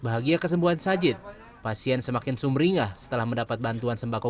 bahagia kesembuhan sajid pasien semakin sumringah setelah mendapat bantuan sembako